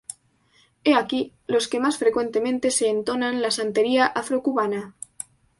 He aquí, los que más frecuentemente se entonan la Santería afrocubana.